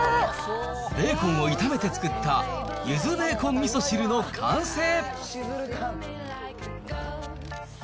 ベーコンを炒めて作ったゆずベーコンみそ汁の完成。